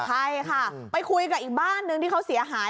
ใช่ค่ะไปคุยกับอีกบ้านนึงที่เขาเสียหาย